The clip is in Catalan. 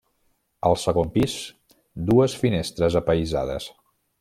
Al segon pis dues finestres apaïsades.